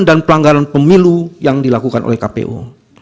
dan pelanggaran pemilu yang dilakukan oleh kpu